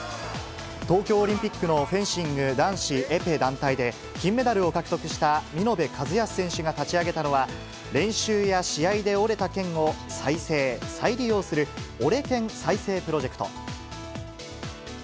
東京オリンピックのフェンシング男子エペ団体で、金メダルを獲得した見延和靖選手が立ち上げたのは、練習や試合で折れた剣を再生・再利用する、折れ剣再生プロジェクト。